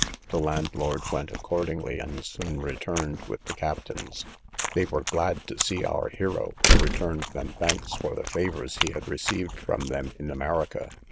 The landlord went accordingly, and soon returned with the captains. They were glad to see our hero, who returned them thanks for the favours he had received from them in America.